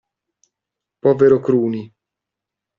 Povero Cruni!